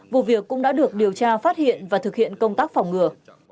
vụ việc cũng đã được điều tra phát hiện và thực hiện công tác phòng ngừa